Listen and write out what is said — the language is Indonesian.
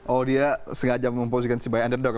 oh dia sengaja memposisikan dirinya sebagai underdog